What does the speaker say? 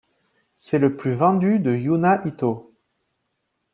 C'est le le plus vendu de Yuna Itō.